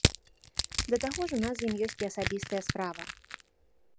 Да таго ж у нас з ім ёсць і асабістая справа.